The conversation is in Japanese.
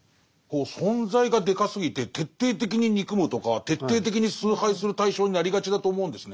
存在がでかすぎて徹底的に憎むとか徹底的に崇拝する対象になりがちだと思うんですね。